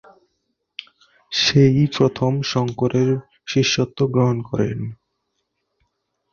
সে-ই প্রথম শঙ্করের শিষ্যত্ব গ্রহণ করেন।